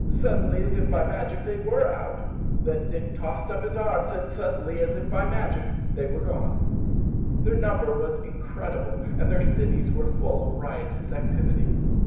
Suddenly, as if by magic, they were out; then Dick tossed up his arms, and suddenly, as if by magic, they were gone! Their number was incredible, and their cities were full of riotous activity.